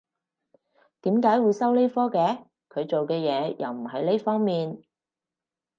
點解會收呢科嘅？佢做嘅嘢又唔係呢方面